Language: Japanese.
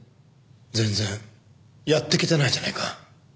全然やっていけてないじゃないか。